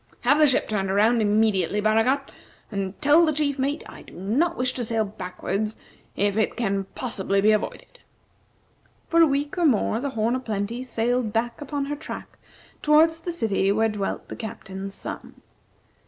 Have the ship turned around immediately, Baragat, and tell the chief mate I do not wish to sail backward if it can possibly be avoided." For a week or more the "Horn o' Plenty" sailed back upon her track towards the city where dwelt the Captain's son.